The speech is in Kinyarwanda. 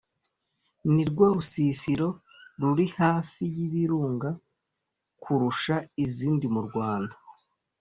nirwo rusisiro ruri hafi y’Ibirunga kurusha izindi mu Rwanda